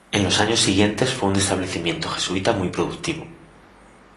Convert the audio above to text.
En los años siguientes fue un establecimiento jesuita muy productivo.